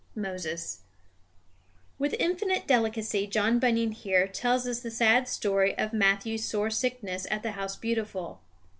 Moses. With infinite delicacy John Bunyan here tells us the sad story of Matthew's sore sickness at the House Beautiful.